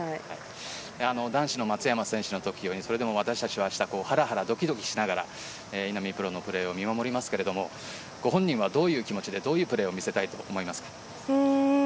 男子の松山選手の時よりそれでも私たちはハラハラドキドキしながら稲見萌寧プロのプレーを見守りますけれどもご本人はどういう気持ちでどういうプレーを見せたいと思いますか？